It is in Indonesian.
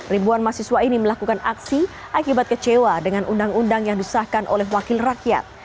ribuan mahasiswa ini melakukan aksi akibat kecewa dengan undang undang yang disahkan oleh wakil rakyat